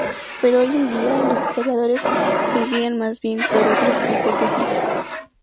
Pero hoy en día, los historiadores se inclinan más bien por otras hipótesis.